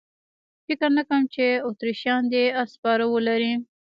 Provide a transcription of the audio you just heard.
فکر نه کوم چې اتریشیان دې اس سپاره ولري.